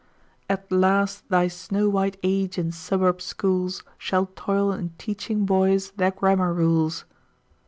At last thy snow white age in suburb schools, Shall toil in teaching boys their grammar rules.